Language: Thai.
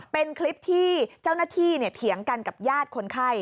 เป็นคลิปที่เจ้าหน้าที่เถียงกันกับญาติคนไข้